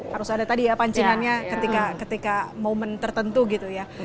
harus ada tadi ya pancingannya ketika momen tertentu gitu ya